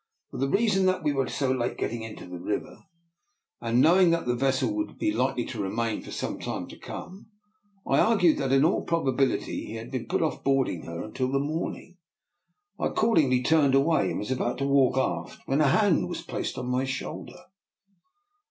For the reason that we were so late getting into the river, and knowing that the vessel would be likely to remain for some time to come, I argued that in all proba bility he Jiad put off boarding her until the morning. I accordingly turned away, and was about to walk aft when a hand was placed on my shoulder.